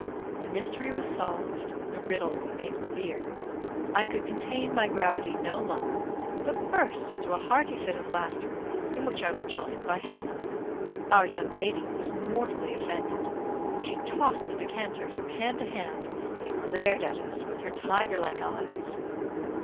The mystery was solved, the riddle made clear. I could contain my gravity no longer, but burst into a hearty fit of laughter, in which I was joined by Hannah. Our young lady was mortally offended; she tossed the decanter from hand to hand, and glared at us with her tiger like eyes.